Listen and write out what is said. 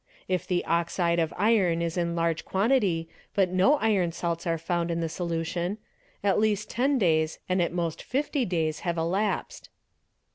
If the oxide of iron is in large quantity but no iron salts are found in the : solution, at least 10 days and at most 50 days have elapsed.